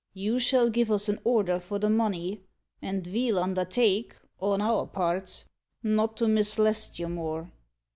You shall give us an order for the money, and ve'll undertake, on our parts, not to mislest you more."